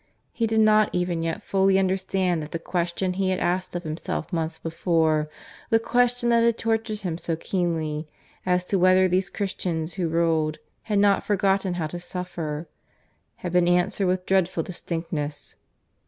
He did not even yet fully understand that the question he had asked of himself months before the question that had tortured him so keenly as to whether these Christians who ruled had not forgotten how to suffer had been answered with dreadful distinctness.